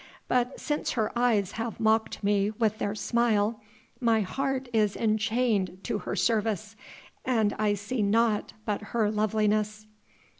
but since her eyes have mocked me with their smile, my heart is enchained to her service and I see naught but her loveliness."